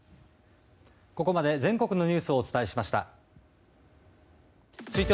ここまで全国のニュースをお伝えしました。